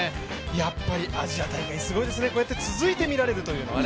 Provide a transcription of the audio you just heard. やっぱりアジア大会すごいですね、こうやって続いて見られるというのはね。